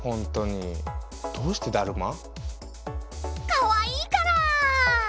かわいいから！